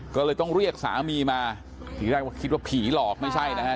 ก็เลยต้องเรียกสามีมาทีแรกว่าคิดว่าผีหลอกไม่ใช่นะฮะ